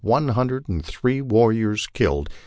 3>ne hundred and three warriors killed.